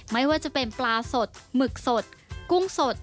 ไม่ว่าจะเป็นปลาสดหมึกสดกุ้งสด